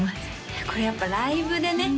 いやこれやっぱライブでね